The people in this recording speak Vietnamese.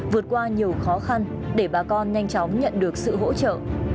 vượt qua nhiều khó khăn để bà con nhanh chóng nhận được sự hỗ trợ